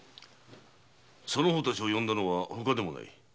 その方たちを呼んだのはほかでもない。